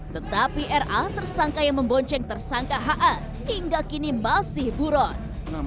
tetapi ra tersangka yang membonceng tersangka ha hingga kini masih buron